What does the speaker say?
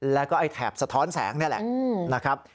แล้วก็ไอ้แถบสะท้อนแสงนี่แหละนะครับ